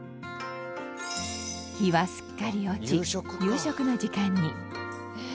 日はすっかり落ち夕食の時間に。